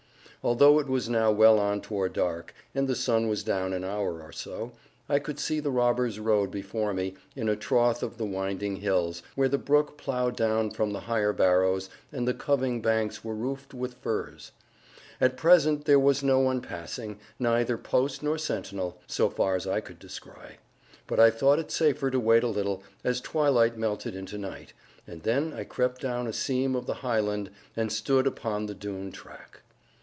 Although it was now well on toward dark, and the sun was down an hour or so, I could see the robbers' road before me, in a trough of the winding hills, where the brook plowed down from the higher barrows, and the coving banks were roofed with furze. At present there was no one passing, neither post nor sentinel, so far as I could descry; but I thought it safer to wait a little, as twilight melted into night; and then I crept down a seam of the highland, and stood upon the Doone track.